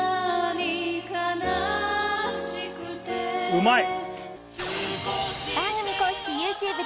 うまい！